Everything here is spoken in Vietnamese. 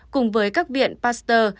cùng với các viện pasteur